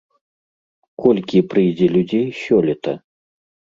Колькі прыйдзе людзей сёлета?